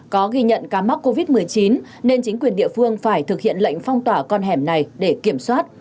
có ghi nhận ca mắc covid một mươi chín nên chính quyền địa phương phải thực hiện lệnh phong tỏa con hẻm này để kiểm soát